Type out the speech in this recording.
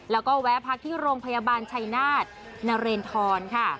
แล้วก็แวะพักที่โรงพยาบาลชัยนาธนเรนทรค่ะ